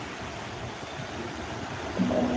নলিনাক্ষ কহিল, আপনি জানেন না, পূর্বেই আমার বিবাহ হইয়াছে।